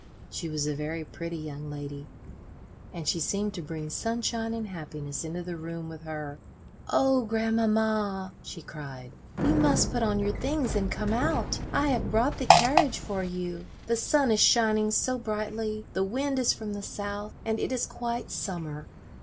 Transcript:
She was a very pretty young lady, and she seemed to bring sunshine and happiness into the room with her. "Oh, grandmamma!" she cried, "you must put on your things and come out. I have brought the carriage for you; the sun is shining so brightly; the wind is from the south, and it is quite summer.